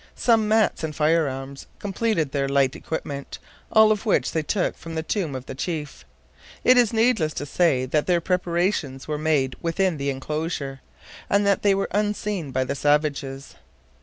Some mats and firearms completed their light equipment, all of which they took from the tomb of the chief. It is needless to say that their preparations were made within the inclosure, and that they were unseen by the savages.